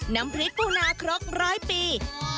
น้ำพริกปูนาครกร้อยปี